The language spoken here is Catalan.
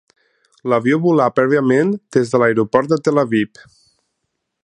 L'avió volà prèviament des de l'aeroport de Tel Aviv.